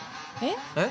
えっ！？